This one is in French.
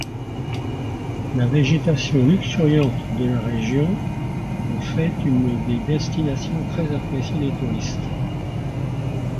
La végétation luxuriante de la région en fait une dédestination très appréciée des touristes.